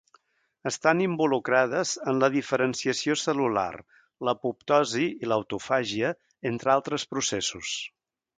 Estan involucrades en la diferenciació cel·lular, l'apoptosi i l'autofàgia, entre altres processos.